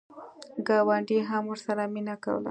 ګاونډي هم ورسره مینه کوله.